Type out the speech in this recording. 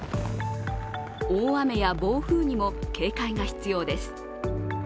大雨や暴風にも警戒が必要です。